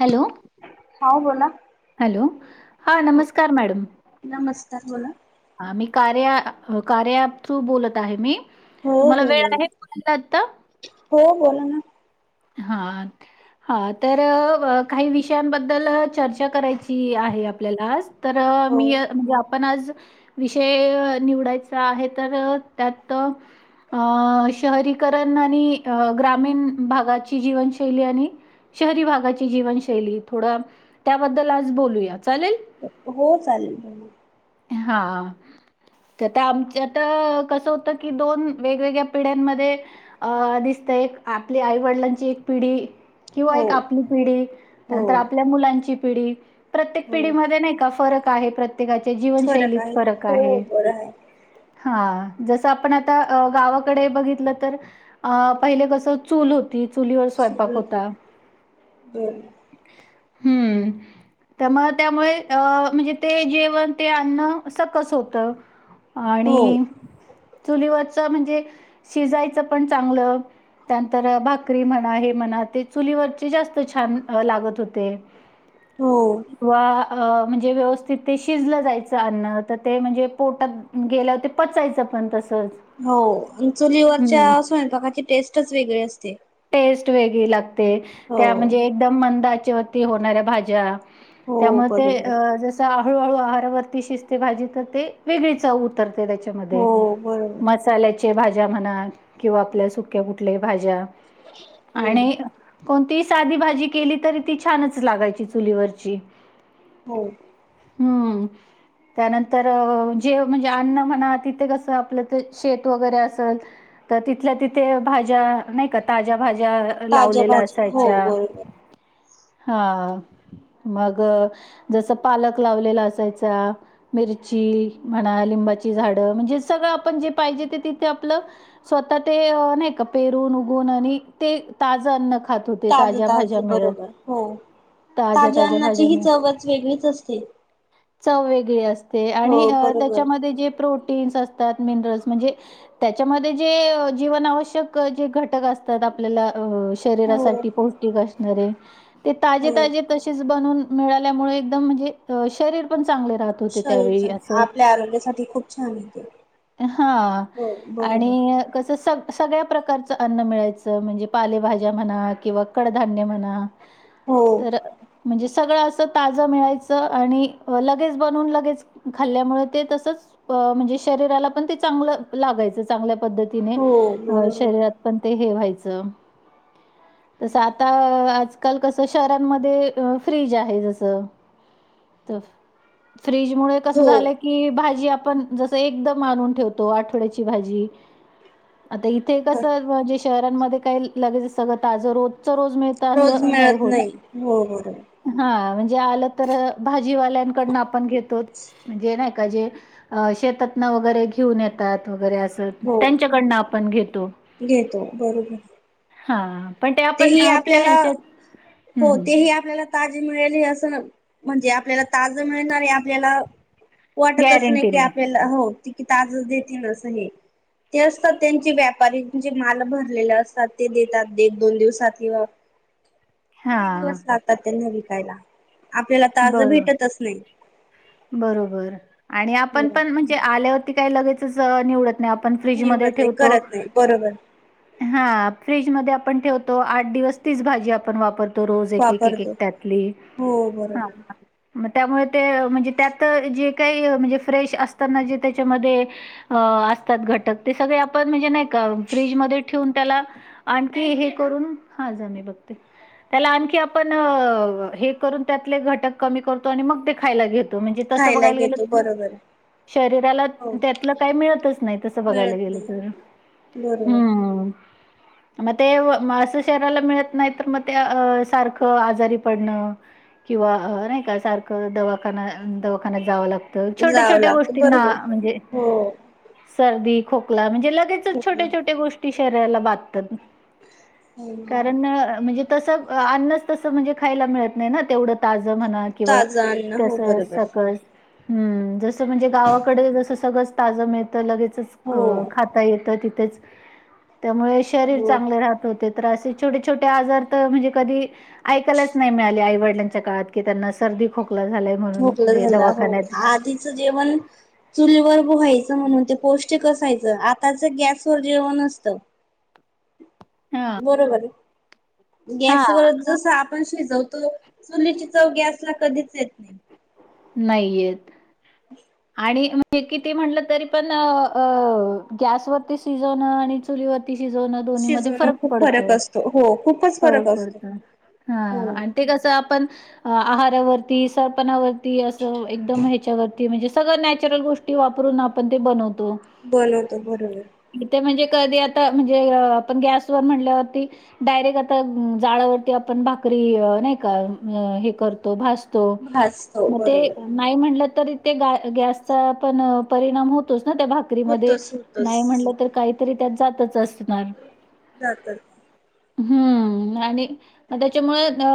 Hello हाव बोला. Hello हा नमस्कार मॅडम नमस्कार बोला. हा मी कार्या कार्या ॲप तून बोलत आहे मी हो तुम्हाला हो वेळ बोल आहे बोलायला आत्ता? हो बोला ना हा हा तर काही विषयांबद्दल चर्चा करायची आपल्याला तर हो मी म्हणजे आपण आ. विषय निवडायचा आहे तर त्यात अ शहरीकरण आणि ग्रामीण भागाची जीवनशैली आणि शहरी भागाची जीवनशैली थोड त्याबद्दल आज बोलूया चालेल. हो चालेल. हा... तर आमच आता कसं होतं की दोन वेगवेगळ्या पिढ्यांमध्ये अ दिसत एक आपली आईवडिलांची पिढी किंवा हो एक आपली पिढी हो नंतर आपल्या मुलांची पिढी प्रत्येक हो पिढीमध्ये नाही का फरक आहे प्र प्रत्येकाच्या जीवनशैलीत आहे फरक हो आहे‌. बरं आहे. हा जसं आपण आता गावाकडे बघितलं तर अ पहिले कस चूल होती चुलीवर स्वयंपाक सुरू होता. बर. हम्म. त्यामुळे त्यामुळे अ म्हणजे ते जेवण ते आणणं सकस होतं. हो आणि चुलीवरच म्हणजे शिजायचं पण चांगलं त्यानंतर भाकरी म्हणा हे म्हणा ते चुलीवरचे जास्त छान लागत होते. हो. व म्हणजे व्यवस्थित ते शिजलं जायचं अन्न तर ते म्हणजे पोटात गेल्या होते पचायचं पण तसंच हो चुलीवरच्या हं. असून प्रकाची टेस्टच वेगळी असते. टेस्ट वेगळी लागते हो त्या म्हणजे एकदम मंदाच्या वती होणाऱ्या भाज्या हो त्यामुळे ते बरोबर हळूहळू आहारवरती शिस्ते भाजी तर ते वेगळी चव उतरते हो त्या बरोबर मसाल्याचे भाज्या म्हणा किंवा आपल्या सुक्या कुठल्या भाज्या [inaudible] आणि कोणतीही साधी भाजी केली तरी ती छानच लागायची चुलीवरची हो. हम्म. त्यानंतर जे म्हणजे अन्न म्हणा तिथे कस आपलं ते शेत वगैरे असल तर तिथल्या तिथे भाज्या नाही का ताज्या भाज्या ताज्या लावलेला भाज्या हो असायच्या बरोबर हा मग जसं पालक लावलेला असायचा मिरची, म्हणा लिंबाची झाड म्हणजे सगळं आपण जे पाहिजे ते तिथे आपलं स्वतः ते नाही का पेरून उगून आणि ते ताज अन्न खात होते, ताजं ताज्या भाज्या ताज मिळत. बरोबर, हो. ताज्या ताज्या-ताज्या अन्नाची भाज्या ही मिळ चवच वेगळीच असते. चव वेगळी असते हो आणि बरोबर त्याच्यामध्ये जे प्रोटीन्स न म्हणजे त्याच्यामध्ये जे जीवनावश्यके जे घटक अस तर आपल्याला शरीरा हो. साठी पौष्टिक असणारे ते ताजे हो ताजे तशीच बनून मिळाल्यामुळे एकदम म्हणजे शरीर पण चांगले राहात. शरीर आपल्या आरोग्यासाठी खूप छान ये ते. हा हो बरोबर आणि कसं सग सगळ्या प्रकारचं अन्न मिळायचं म्हणजे पालेभाज्या म्हणा किंवा कडधान्य म्हणा. हो तर म्हणजे सगळं असं ताजं मिळायचं आणि लगेच बनून लगेच. खाल्ल्यामुळे ते तसच म्हणजे शरीराला पण ते चांगलं लागायचं चांगल्या पद्धती तिने हो अ बरोबर शरीरात पण ते हे व्हायचं तसं आता आज काल कस शहरांमध्ये फ्रीज आहे जसं फ्रीजमुळे कस हो. झालंय कि भाजी आपण जसं एकदम आणून ठेवतो आठवड्याची भाजी. आता इथे कसं म्हणजे शहरांमध्ये काही लगेचं सगळं ताजं रो रोज मिळत रोज असं नाही मिळत होत. हो बरोबर हा म्हणजे आलं तर भाजीवाल्यांकडून आपण घेतो. म्हणजे नाही का जे शेतातन वगैरे घेऊन येतात वगैरे अस. हो त्यांच्याकडन आपण घेतो. घेतो, बरोबर. हा पण ते आपण तेही आपल्या आपल्याला ह्याच्यात हो हम्म तेही आपल्याला ताजे मिळेल असं म्हणजे आपल्याला ताजं मिळणार आणि आपल्याला वाटतच नाही ते गॅरंटीने आपल्याला हो ते की ताजच देतीले असं नाही. ते असतात त्यांचे व्यापारी जे माल भरलेले असतात ते देतात एक दोन दिवसात किंवा हा किती दिवस लागतात त्यांना विकायला आपल्याला ताज भेटतच नाही. बरोब बरोबर आणि आपण हो. पण म्हणजे आल्यावरती काही लगेचच निवडत नाही आपण फ्रीजमध्ये निवडत नाही ठेवतो. करत नाही बरोबर हा फ्रीज मध्ये आपण ठेवतो आठ दिवस तीच भाजी आपण वापरतो. तो रोज एक एक वापरतो एक त्यातली हो हां. बरोबर. हां. मग त्यामुळे ते म्हणजे त्यात जे काही म्हणजे फ्रेश असत ना जे त्याच्यामध्ये अ असतात घटक ते सगळे आपण म्हणजे नाही का फ्रीजमध्ये ठेवून त्याला आणखी हे करून, हा जा मी बघते. त्याला आणखी आपण हे करून त्यातले घटक कमी करतो आणि मग ते खायला घेतो. तो म्हणजे तसं खायला बघायला घेतो गेलं. बरोबर शरीराला हो त्यातलं काही मिळतच नाही तसं बघायला मिळत गेलं नाही तर. बरोबर. हं. मग ते असं शरीराला मिळत नाही तर मग ते सारखं आजारी पडणं. किंवा नाही का सारखं दवाखाना दवाखान्यात जाव लागत. तर छोट्या जावं छोट्या लागत गोष्टींना बरोबर म्हणजे हो सर्दी खोकला म्हणजे लगेचच छोट्या छोट्या गोष्टी शरीराला बाधतात. कारण म्हणजे तस अन्नच तस म्हणजे खायला मिळत नाही ना तेवढं ताज म्हणा किंवा ताजं अन्न तस हो बरोबर सकस. हम्म जसं म्हणजे गावाकडे जस सगळंच ताजं मिळतं लगेचच हो खात. येत तिथेच त्यामुळे शरीर हो चांगले राहत होते. छ छ आजार म्हणे क य नाही मि आड का त्यां खोक खकलं झालं हो आधीचं जेवण चुलीवर बुहायचं म्हणून ते पौष्टिक असायचं आताच गॅसवरर जेवण असत. [inaudible] हां, बरोबर हां, गॅसवर. जस आपण शिजवतो चुलीची चव गॅसला कधीच येत नाही. नाहीयेत आणि हे किती म्हटलं तरी पण गॅसवरती सीझन आणि चुलीवरती तिशी जोन दोन्ही मध्ये शिजवण फरक खूप पडतो. असतो हो खूपच. [unintelligible] फरक असतो पडत हो हा. ते कसं आपण आहारावरती सरपणावरती असं एकदम ह्याच्यावरती म्हणजे सगळं नॅचरल गोष्टी वापरून आपण ते बनवतो. बनवतो बरोबर. इथे म्हणजे कधी आता म्हणजे आपण गॅस वर म्हणल्यावरती डायरेक्ट. आ जाडवरती आपण भाकरी नाही का हे करतो भास. भाजतो बरोबर [unintelligible] नाही म्हटलं तरी ते गॅसचा पण परिणाम होतोच ना त्या नकरी म होतोच होतोच नाही म्हणलं तर काहीतरी त्यात जातच असणार. जातात. हम्म आणि त्याच्यामुळे अ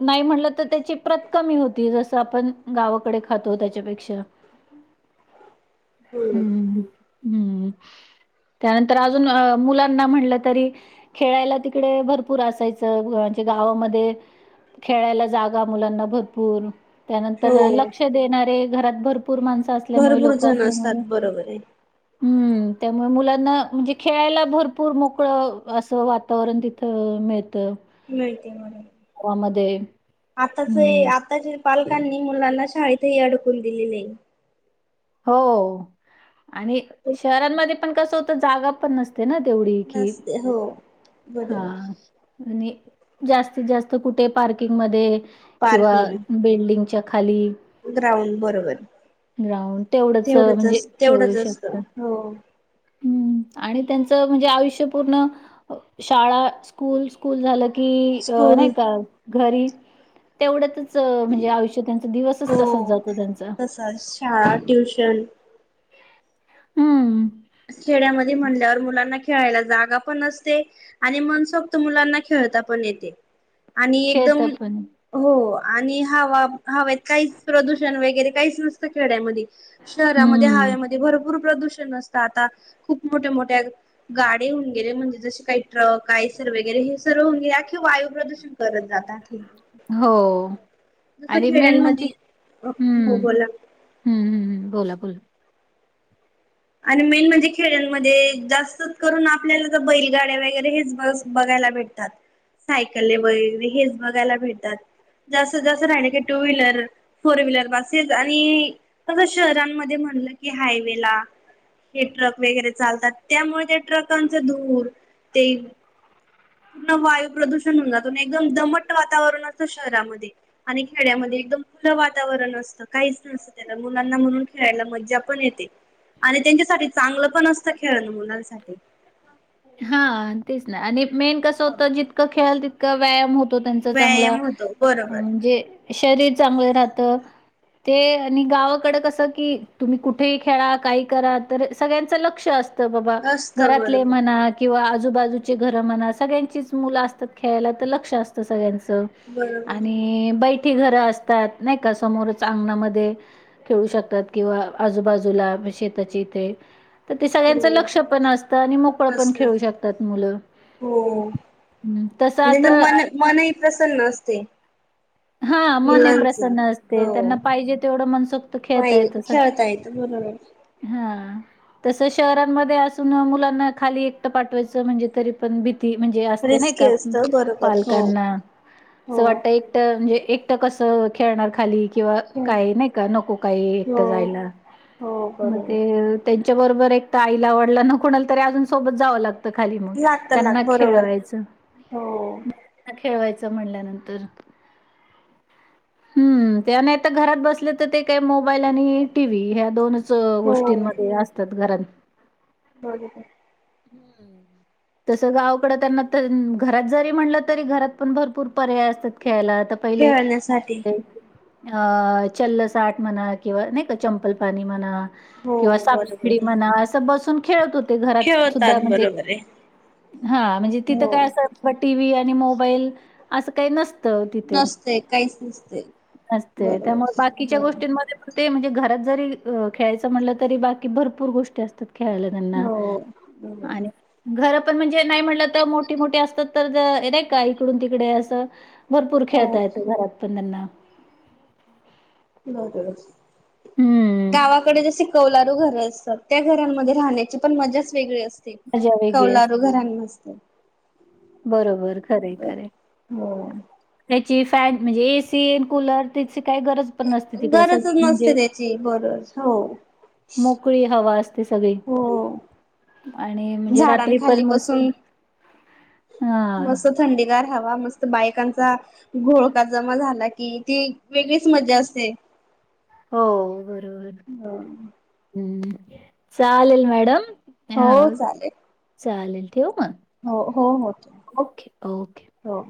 नाही म्हटलं तर त्याची प्रत कमी होती जसं आपण गावाकडे खातो त्याच्यापेक्षा. हम्म. हम् त्यानंतर अजून मुलांना म्हणलं तरी खेळायला ती कडे भरपूर असायचं म्हणजे गावामध्ये खेळायला जागा मुलांना भरपूर त्यानंतर हो लक्ष देणारे घरात भरपूर माण असल्यामुळे भरपूर लोक जण असल्यामुळे. असतात बरोबर आहे हम्म त्यामुळे मुलांना म्हणजे खेळायला भरपूर मोकळं असं वा तावरण तिथं मिळत. नाही ते मला. मध्ये आताचे आताच्या पालकांनी मुलांना शाळेतही अडकून दिलेले आहे. हो आणि शहरांमध्ये पण कसं होतं जागा पण नस ते ना तेवढी कि नसते हो हा बरोबर आणि जास्तीत जास्त कुठे पार्किंग मध्ये किंवा पार्किंग बिल्डिंगच्या खाली ग्राउंड बरोबर राहून तेवढंच तेवढच म्हणजे अस खेळू तेवढंच असत शकतात. हो. हम्म आणि त्यांचं म्हणजे आयुष्य पूर्ण शाळा, स्कूल स्कूल झालं की अ स्कूल नाही का घरी. तेवढ्यातच म्हणजे आयुष्य त्यांचा दिवसच तसाच जातो त्यांचा. ब शाळा ट्यूशन हम्म. खेड्यामध्ये म्हणल्यावर मुलांना खेळायला जागा पण नसते. आणि मनसोक्त मुलांना खेळता पण येते आणि एकदम खेळतात पण हो आणि हवा हवेत काहीच प्रदूषण वगैरे काहीच नसतं खेड्यामध्ये. शहरामध्ये हम्म. हव्यामध्ये भरपूर प्रदूषण असत आता खूप मोठ्या मोठ्या गाडे होऊन गेले म्हणजे जसे काही ट्रक काय सर वगैरे हे सर्व होऊ गेले अख्खे वायू प्रदूषण करत जातात. हे हो जसं आणि मेन म्हणजे खेड्यांमध्ये हो हम्म बोला हम् हम्म बोला बोला. आणि मेन म्हणजे खेड्यांमध्ये जास्तच करून आपल्याला ज बैलगाड्या वगैरे हेच ब बघायला भेटतात सायकल वगैरे हेच बघायला भेटतात. जास्त जास्त राहणे की two wheeler four wheeler buses आणि असं शहरांमध्ये म्हणलं की हायवे ला हे ट्रक वगैरे चालतात त्यामुळे त्या ट्रकांच धूर ते पूर्ण वायू प्रदूषण होऊन जातो एकदम दमट वातावरण असतं शहरामध्ये. आणि खेड्यामध्ये एकदम खुलं वातावरण असतं काहीच नस त्याला मुलांना म्हणून खेळायला मज्जा पण येते. आणि त्यांच्यासाठी चांगलं पण असतं खेळण मुलांसाठी. हा तेच ना आणि मेन कस होत जितकं खेळल तितका व्यायाम हो तो त्यांचा चांगला व्यायाम होतो बरोबर म्हणजे शरीर चांगलं राहत. ते आणि गावाकडे कसं कि तुम्ही कुठेही खेळा काही करा तर सगळ्यांचं लक्ष अस बाबा असत घरात. बरोबर किंवा आजूबाजूची घरं म्हणा सगळ्यांचीच मुलं असतात खेळायला तर लक्ष असतं सगळ्यांच. बरोबर आणि बैठी घर असतात नाही का समोरच अंगणामध्ये खेळू शकतात किंवा आजूबाजूला शेताचे इथे तर ते सगळ्यांचं हो लक्ष पण अस मोकळ पण असत खेळू शकतात मुल हो तस त्यांच आता मन मनही प्रसन्न असते. हा मन ही मुलांच प्रसन्न असते त्यांना हो पाहिजे तेवढं मनसोक्त खेळता येत तसं खेळतायत बरोबर. हा. तसं शहरांमध्ये असून मुलांना खाली एकटं पाठवायचं म्हणजे तरी पण ती म्हणजे असते ना रिस्की का असत बरोबर हो पालकांना असं हो वाटत एक एक म्हणजे एकटं कस खेळणार खाली किंवा खेळ. काही नाही का नको काही एकटं हो जायला हो मग बरोबर. ते त्यांच्या बरोबर एक तर आईला वडिलांना कुणाला तरी अजून सोबत जावं लागत. खाली मग लागत लाग त्यांना बरोबर. खेळवायचं हो खेळवायचं म्हणल्यानंतर हम्म त्या नाही तर घरात बसले तर ते काय मोबाईल आणि टीव्ही ह्या दोन हो गोष्टींमध्ये असतात घरात ब का [unintelligible] हम्म. तसं गावाकड त्यांना घरात जरी म्हणलं तरी घरात पण भरपूर पर्याय असतात खेळायला तर पहिले साठी अ चल्ल साठ म्हणा किंवा नाही का चंपल पाणी म्हणा हो किंवा बरोबर. सापसिडी म्हणा अस बसून खेळत होत. ते घरात सुद्धा खेळतात म्हणजे बरोबर आहे. हा म्हणजे तिथं हो. काय असं व टी व्ही आणि मोबाईल असं काही नस नसतेय काहीच नसते. नसते बरोबर त्यामुळे बाकीच्या गोष्टींमध्ये ते म्हणजे घरात जरी खेळायचं म्हटलं तरी बाकी भरपूर गोष्टी असतात खेळायला त्यांना हो बरोबर. आणि घर पण म्हणजे नाही म्हटलं तर मोठी मोठीे असतात तर रे का इकडून तिकडे असं भरपूर हो खेळता येत घरात पण त्यांना [inaudible] हं. गावाकडे जसे कौलारू घर असतात. त्या घरांमध्ये राहण्याची पण मजाच वेगळी असते मजा वेगळी कवलारू असते. घरांमध्ये बरोबर खरे खरे हो. त्याची फॅन म्हणजे ए सी कुलर त्याची काही गरज पण नसते तिकडे गरजच सगळी नसते म्हणजे त्याची बरोबर हो उकळी हवा असते सगळी हो. आणि म्हणजे रात्री झाडांखाली पण मस्त बसून हां. मस्त थंडीगार हवा मस्त बायकांचा घोळका जमा झाला कि ती वेगळीच मजा असते. हो बरोबर हम. हम्म चालेल मॅडम अ हो चालेल. चालेल ठेवू म? हो हो ठेवा हो.